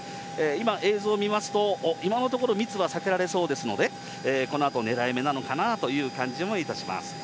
今、映像を見ますと、今のところ密は避けられそうですので、このあと狙い目なのかなという感じもいたします。